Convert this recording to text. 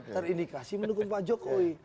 terindikasi mendukung pak jokowi